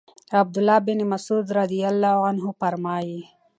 عَبْد الله بن مسعود رضی الله عنه فرمايي: